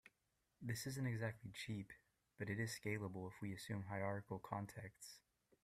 This isn't exactly cheap, but it is scalable if we assume hierarchical contexts.